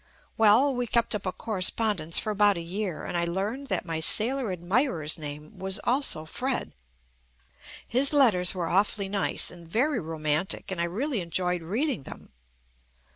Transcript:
Well, we kept up a cor respondence for about a year, and I learned that my sailor admirer's name was also Fred. His letters were awfully nice and very roman tic, and I really enjoyed reading them.